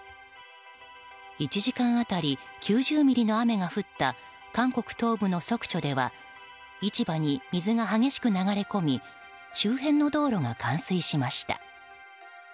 １時間当たり９０ミリの雨が降った韓国東部のソクチョでは市場に水が激しく流れ込み周辺の道路が冠水しました。